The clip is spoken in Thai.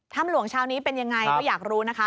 หลวงเช้านี้เป็นยังไงก็อยากรู้นะคะ